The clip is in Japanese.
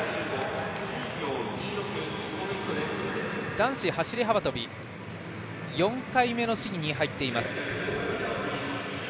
男子走り幅跳びは４回目の試技に入っています。